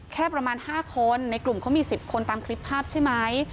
แค่ประมาณ๕คนในกลุ่มเขามี๑๐คนตามคลิปภาพใช่ไหม